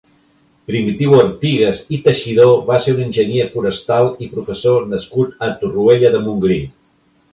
Primitiu Artigas i Teixidor va ser un enginyer forestal i professor nascut a Torroella de Montgrí.